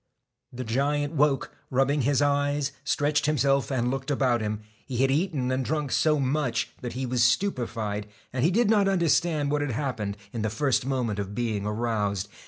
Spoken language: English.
The giant woke, rubbed his eyes, stretched him self, and looked about him. He had eaten and drunk so much that he was stupefied, and he did not understand what had happened, in the first moment of being aroused.